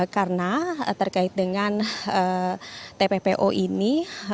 karena terkait dengan tppo ini